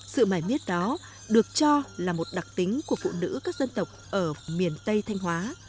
sự bài miết đó được cho là một đặc tính của phụ nữ các dân tộc ở miền tây thanh hóa